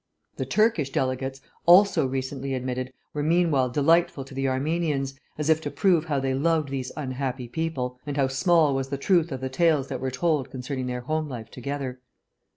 The Turkish delegates, also recently admitted, were meanwhile delightful to the Armenians, as if to prove how they loved these unhappy people, and how small was the truth of the tales that were told concerning their home life together.